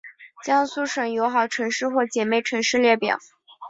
江苏省友好城市或姐妹城市列表